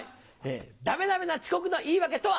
ダメダメな遅刻の言い訳とは？